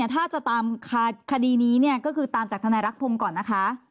ถ้าจะตามคดีนี้เนี้ยก็คือตามกับทนายรักภมก่อนนะคะ